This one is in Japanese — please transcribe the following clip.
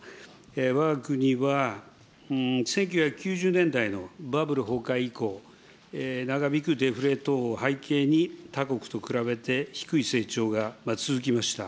わが国は１９９０年代のバブル崩壊以降、長引くデフレ等を背景に、他国と比べて低い成長が続きました。